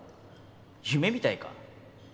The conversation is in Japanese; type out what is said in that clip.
夢みたいか？